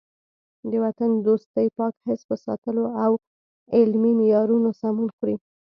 د وطن دوستۍ پاک حس په ساتلو او علمي معیارونو سمون خوري.